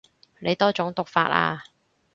你多種讀法啊